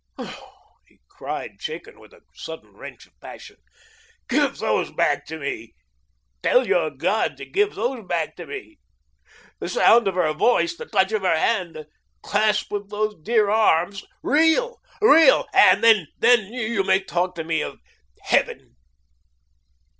Oh," he cried, shaken with a sudden wrench of passion, "give those back to me. Tell your God to give those back to me the sound of her voice, the touch of her hand, the clasp of her dear arms, REAL, REAL, and then you may talk to me of Heaven."